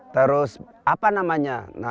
terus apa namanya